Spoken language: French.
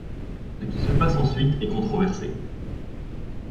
Ce qui se passe ensuite est controversé.